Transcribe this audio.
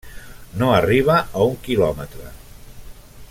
No arriba a un quilòmetre.